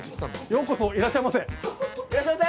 ようこそいらっしゃいませ。